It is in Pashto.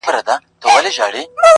د طاقت له تنستې یې زړه اودلی؛